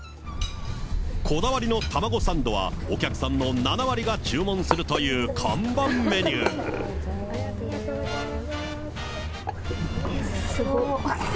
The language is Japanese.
こだわりのタマゴサンドは、お客さんの７割が注文するというすごっ。